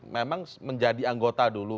memang menjadi anggota dulu